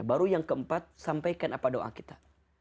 baru yang keempat sampaikan apa doa kita